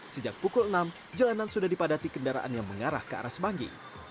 sejak pukul enam jalanan sudah dipadati kendaraan yang mengarah ke arah semanggi